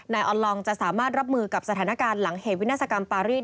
ออนลองจะสามารถรับมือกับสถานการณ์หลังเหตุวินาศกรรมปารีส